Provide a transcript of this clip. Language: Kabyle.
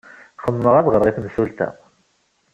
Xemmemeɣ ad ɣreɣ i temsulta.